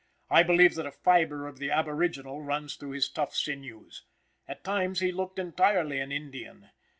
I believe that a fiber of the aboriginal runs through his tough sinews. At times he looked entirely an Indian.